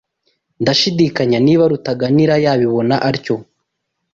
Ndashidikanya niba Rutaganira yabibona atyo.